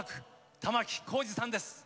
玉置浩二さんです。